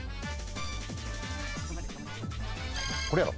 これやろ。